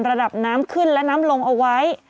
ระดับน้ำขึ้นและน้ำลงเอาไว้